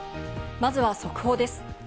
まずは速報です。